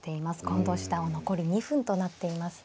近藤七段は残り２分となっています。